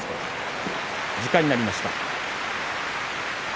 時間になりました。